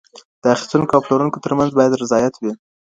د اخيستونکي او پلورونکي ترمنځ بايد رضايت وي.